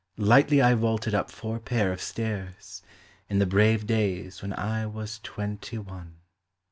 Lightly I vaulted up four pair of stairs. In the brave days when I was twenty one.